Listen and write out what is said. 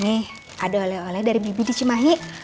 nih ada oleh oleh dari bibit di cimahi